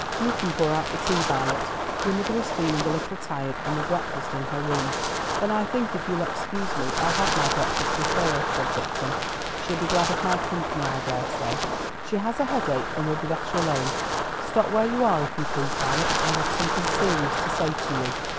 "You can pour out the tea, Violet. Your mother is feeling a little tired, and will breakfast in her room." "Then I think, if you'll excuse me, I'll have my breakfast with her," said Vixen. "She'll be glad of my company, I daresay." "She has a headache and will be better alone. Stop where you are, if you please, Violet. I have something serious to say to you."